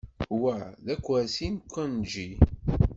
Wa d akersi n Kenji.